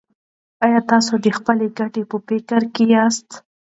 ایا تاسو د خپلې ګټې په فکر کې یاست.